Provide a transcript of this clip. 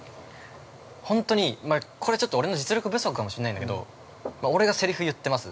本当に、これちょっと俺の実力不足かもしれないけど俺がせりふ言ってます